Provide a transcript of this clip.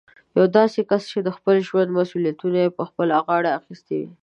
يو داسې کس چې د خپل ژوند مسوليت يې په خپله غاړه اخيستی وي.